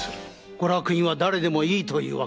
ご落胤は誰でもいいというわけですか。